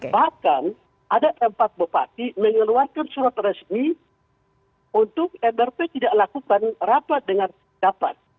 bahkan ada empat bupati mengeluarkan surat resmi untuk mrp tidak lakukan rapat dengan pendapat